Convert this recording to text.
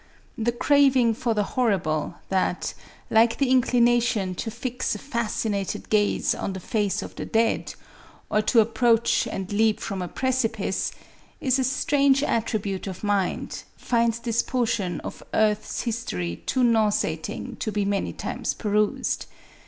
The craving for the horrible that, like the inclination to fix a fascinated gaze on the face of the dead, or to np 446 MARIE ANTOINETTE. proach and leap from a precipice, is a strange attribute of mind, finds this portion of earth's history too nau seating to be many times perused.